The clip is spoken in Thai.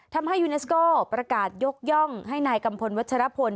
ทำให้ยูเนสโก้ประกาศยกย่องให้นายกัมพลวัชรพล